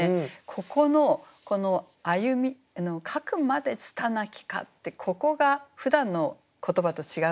ここのこの「歩みかくまで拙きか」ってここがふだんの言葉と違うでしょう？